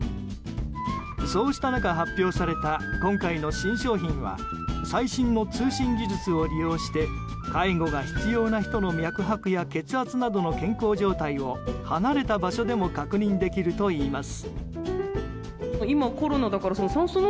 そうした中、発表された今回の新商品は最新の通信技術を利用して介護が必要な人の脈拍や血圧などの健康状態を離れた場所でも確認できるといいます。